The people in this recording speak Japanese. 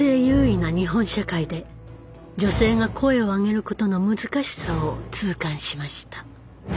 優位な日本社会で女性が声を上げることの難しさを痛感しました。